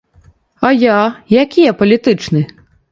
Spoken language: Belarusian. А я, які я палітычны?